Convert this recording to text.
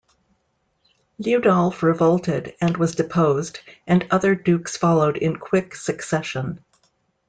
Liudolf revolted, and was deposed, and other dukes followed in quick succession.